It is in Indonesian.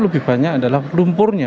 lebih banyak adalah lumpurnya